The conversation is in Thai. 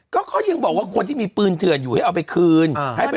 ก็เขายังบอกว่าคนที่มีปืนเถื่อนอยู่ให้เอาไปคืนให้ไป